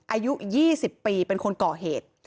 อายุ๒๐ปีเป็นคนก่อเหตุ